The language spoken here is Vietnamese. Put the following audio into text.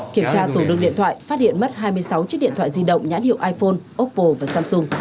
kiểm tra tủ đường điện thoại phát hiện mất hai mươi sáu chiếc điện thoại di động nhãn hiệu iphone oppo và samsung